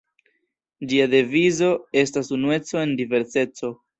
Ĝia devizo estas 'unueco en diverseco.